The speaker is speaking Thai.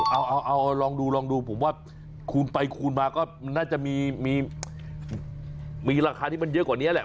เอาลองดูลองดูผมว่าคูณไปคูณมาก็น่าจะมีราคาที่มันเยอะกว่านี้แหละ